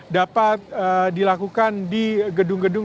dapat dilakukan di gedung gedung